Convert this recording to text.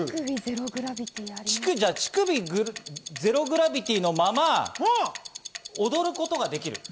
乳首ゼログラビティーのまま踊ることができる。